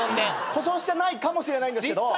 故障してないかもしれないんですけど。